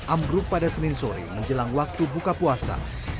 ambruk pada senin sore menjelang waktu buka puasa